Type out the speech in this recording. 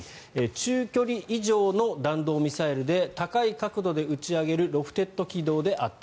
中距離以上の弾道ミサイルで高い角度で打ち上げるロフテッド軌道であった。